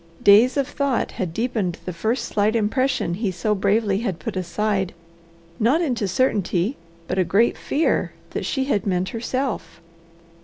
Days of thought had deepened the first slight impression he so bravely had put aside, not into certainty, but a great fear that she had meant herself.